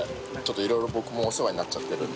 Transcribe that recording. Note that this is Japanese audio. いろいろ僕もお世話になっちゃってるんで。